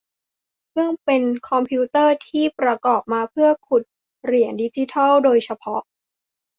ซึ่งเป็นคอมพิวเตอร์ที่ประกอบมาเพื่อขุดเหรียญดิจิทัลโดยเฉพาะ